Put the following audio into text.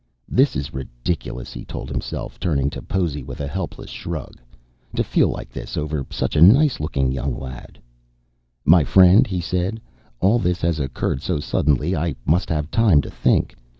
This is ridiculous, he told himself, turning to Possy with a helpless shrug. To feel like this over such a nice looking young lad ... "My friend," he said, "all this has occurred so suddenly I must have time to think.